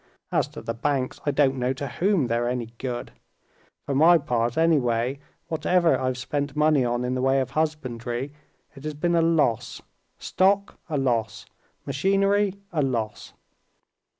As to the banks, I don't know to whom they're any good. For my part, anyway, whatever I've spent money on in the way of husbandry, it has been a loss: stock—a loss, machinery—a loss."